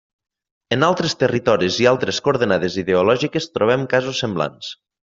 En altres territoris i altres coordenades ideològiques trobem casos semblants.